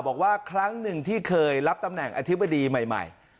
บอกว่าครั้งหนึ่งที่เคยรับตำแหน่งอธิบดีใหม่